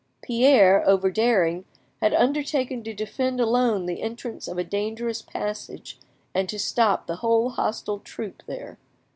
Pierre, over daring, had undertaken to defend alone the entrance of a dangerous passage and to stop the whole hostile troop there.